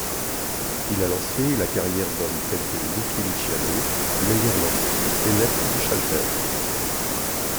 Il a lancé la carrière d'hommes tels que Lucky Luciano, Meyer Lansky, Lepke Buchalter.